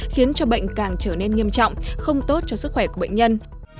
khiến cho bệnh càng trở nên nghiêm trọng không tốt cho sức khỏe của bệnh nhân